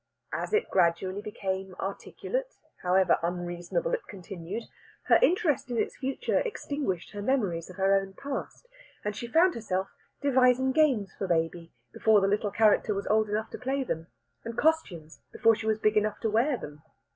As it gradually became articulate however unreasonable it continued her interest in its future extinguished her memories of her own past, and she found herself devising games for baby before the little character was old enough to play them, and costumes before she was big enough to wear them.